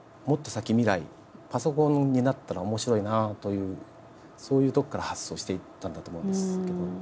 パソコンになったら面白いなというそういうとこから発想していったんだと思うんですけど。